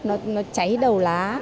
nó cháy đầu